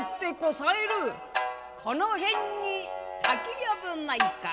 「この辺に竹やぶないか？」。